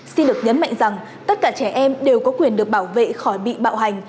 xin được nhấn mạnh rằng tất cả trẻ em đều có quyền được bảo vệ khỏi bị bạo hành